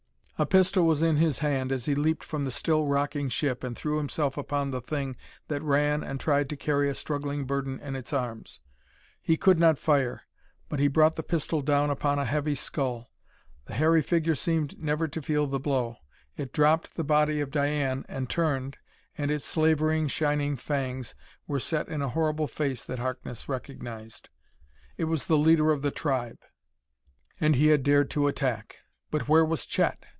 A pistol was in his hand as he leaped from the still rocking ship and threw himself upon the thing that ran and tried to carry a struggling burden in its arms. He could not fire; but he brought the pistol down upon a heavy skull. The hairy figure seemed never to feel the blow. It dropped the body of Diane and turned, and its slavering, shining fangs were set in a horrible face that Harkness recognized. It was the leader of the tribe, and he had dared to attack. But where was Chet?